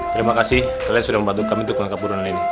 terima kasih kalian sudah membantu kami untuk menangkap buronan ini